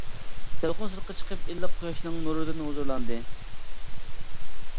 يالقۇن سىرتقا چىقىپ ئىللىق قۇياشنىڭ نۇرىدىن ھۇزۇرلاندى.